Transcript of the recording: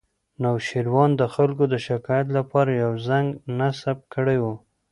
نوشیروان د خلکو د شکایت لپاره یو زنګ نصب کړی و